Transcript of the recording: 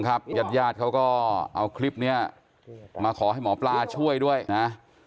ญาติญาติเขาก็เอาคลิปนี้มาขอให้หมอปลาช่วยด้วยนะ